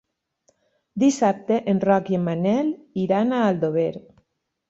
Dissabte en Roc i en Manel iran a Aldover.